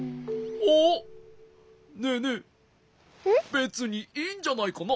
べつにいいんじゃないかな？